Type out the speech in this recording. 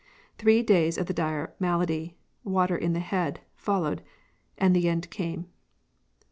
Three days of the dire malady 'water in the head' followed, and the end came."